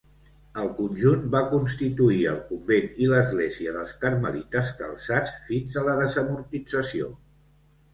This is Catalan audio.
El conjunt va constituir el convent i l'església dels Carmelites Calçats fins a la desamortització.